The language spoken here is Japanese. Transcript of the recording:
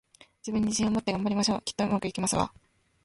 自分に自信を持って、頑張りましょう！きっと、上手くいきますわ